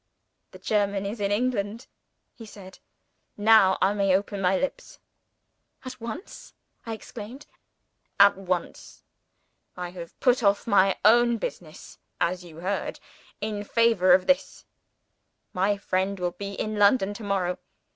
"The German is in England," he said. "Now I may open my lips." "At once!" I exclaimed. "At once. I have put off my own business (as you heard) in favor of this. My friend will be in London to morrow.